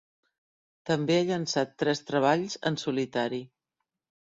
També ha llençat tres treballs en solitari.